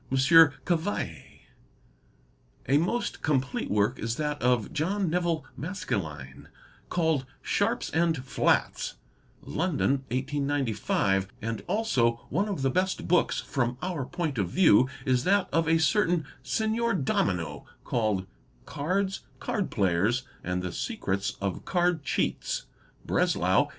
Cavaillé. A most complete work is that of John Nevil Maskelyne called "Sharps and Flats,'' London, 1895, and also one of the best books from our point of view is that of a certain '' Signor _Domino"' called '' Cards, Card Players and the Secrets of Card Cheats", Breslau, 1886.